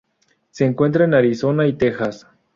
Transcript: Se encuentra en Arizona y Texas.